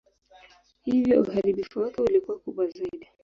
Hivyo uharibifu wake ulikuwa kubwa zaidi.